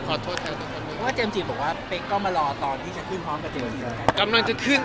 พร้อมเลย